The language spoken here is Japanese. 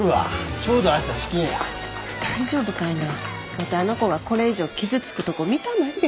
ワテあの子がこれ以上傷つくとこ見たないで。